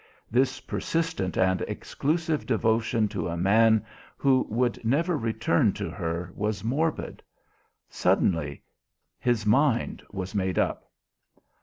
This persistent and exclusive devotion to a man who would never return to her was morbid. Suddenly, his mind was made up.